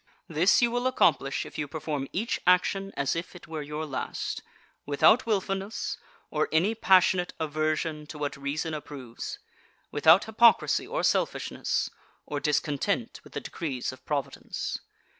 This you will accomplish if you perform each action as if it were your last, without wilfulness, or any passionate aversion to what reason approves; without hypocrisy or selfishness, or discontent with the decrees of Providence.